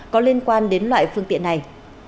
có liên quan đến loại phương tiện này